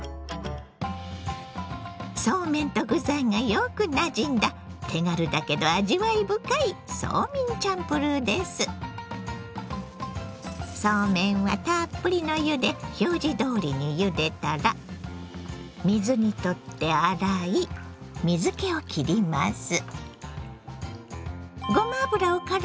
そうめんと具材がよくなじんだ手軽だけど味わい深いそうめんはたっぷりの湯で表示どおりにゆでたら水にとって洗い水けをきります。